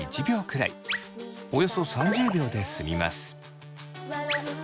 およそ３０秒で済みます。